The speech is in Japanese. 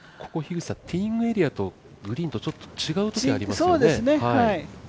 ティーイングエリアとグリーンと違うところがありますよね。